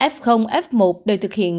f f một đều thực hiện